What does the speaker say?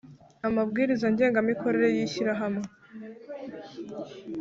amabwiriza ngengamikorere y Ishyirahamwe